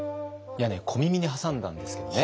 いやね小耳に挟んだんですけどね